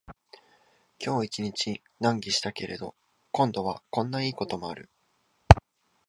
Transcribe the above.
今日一日難儀したけれど、今度はこんないいこともある